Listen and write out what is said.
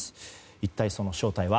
一体、その正体は。